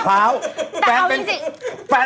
เขาวิทยาลัยพาว